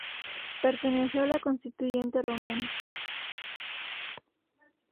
Perteneció a la Constituyente romana.